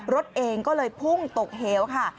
รถเองก็เลยพุ่งตกเหวค่ะ